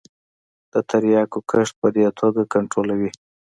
د تریاکو کښت په دې توګه کنترولوي.